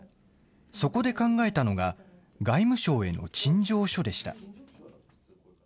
そこで考えたのが、外務省への陳情書でした。